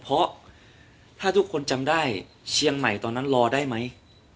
เพราะถ้าทุกคนจำได้เชียงใหม่ตอนนั้นรอได้ไหม